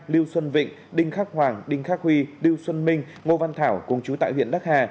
lưu xuân vịnh đinh khắc hoàng đinh khắc huy lưu xuân minh ngô văn thảo cùng chú tại huyện đắc hà